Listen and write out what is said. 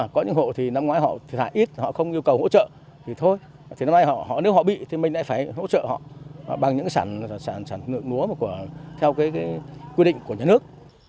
có những hộ thì năm ngoái họ thả ít họ không yêu cầu hỗ trợ thì thôi nếu họ bị thì mình lại phải hỗ trợ họ bằng những sản lượng ngúa theo quy định của nhà nước